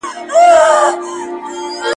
ښځه و هغه باد څارونکي الي ته ورته ده